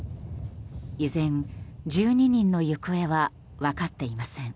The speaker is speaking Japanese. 依然１２人の行方は分かっていません。